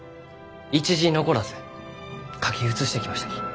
一字残らず書き写してきましたき。